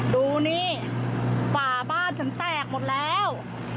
ดูนี่ฝาบ้านฉันแตกหมดแล้ว